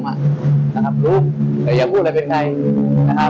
นะครับรู้แต่อย่าพูดอะไรเป็นไงนะครับ